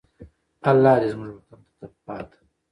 الله دې زموږ وطن ته تلپاته.